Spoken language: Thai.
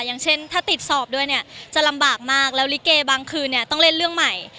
อย่างเช่นถ้าติดสอบด้วยเนี่ยจะลำบากมากแล้วลิเกบางคืนเนี่ยต้องเล่นเรื่องใหม่